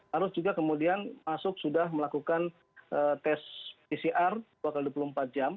harus juga kemudian masuk sudah melakukan tes pcr dua x dua puluh empat jam